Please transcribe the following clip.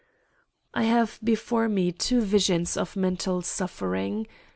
"I have before me two visions of mental suffering.